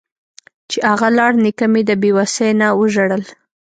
چې اغه لاړ نيکه مې د بې وسۍ نه وژړل.